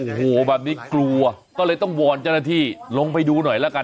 โอ้โหแบบนี้กลัวก็เลยต้องวอนเจ้าหน้าที่ลงไปดูหน่อยแล้วกัน